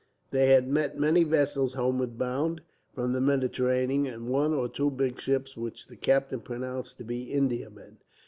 They had met many vessels, homeward bound from the Mediterranean, and one or two big ships which the captain pronounced to be Indiamen.